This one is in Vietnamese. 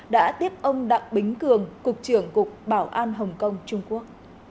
đã tiếp ông đặng bính cường cục trưởng cục bảo an hồng kông trung quốc